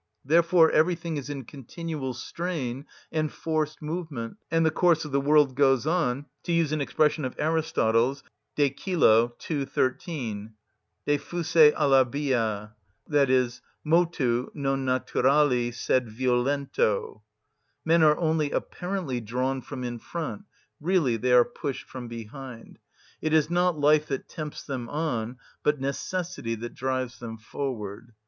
Therefore everything is in continual strain and forced movement, and the course of the world goes on, to use an expression of Aristotle's (De cœlo, ii. 13), "ου φυσει, αλλα βιᾳ" (Motu, non naturali sed violento). Men are only apparently drawn from in front; really they are pushed from behind; it is not life that tempts them on, but necessity that drives them forward.